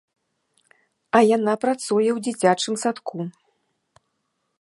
А яна працуе ў дзіцячым садку.